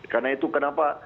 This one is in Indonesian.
karena itu kenapa